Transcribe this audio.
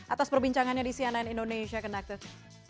atas perbincangannya di cnn indonesia connected